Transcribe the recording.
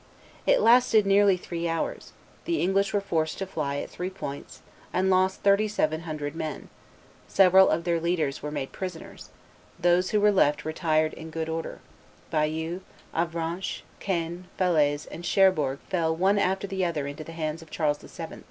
It lasted nearly three hours; the English were forced to fly at three points, and lost thirty seven hundred men; several of their leaders were made prisoners; those who were left retired in good order; Bayeux, Avranches, Caen, Falaise, and Cherbourg fell one after the other into the hands of Charles VII.